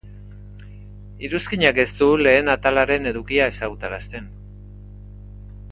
Iruzkinak ez du lehen atalaren edukia ezagutarazten.